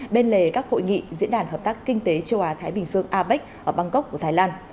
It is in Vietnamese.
bên lề các hội nghị diễn đàn hợp tác kinh tế châu á thái bình dương apec ở bangkok của thái lan